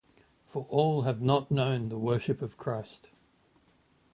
For all have not known the worship of Christ.